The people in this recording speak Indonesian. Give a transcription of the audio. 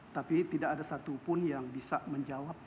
tapi tidak ada satupun yang bisa menjawab